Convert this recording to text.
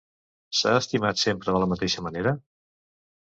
S'ha estimat sempre de la mateixa manera?